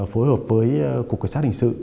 phối hợp với cục cảnh sát hình sự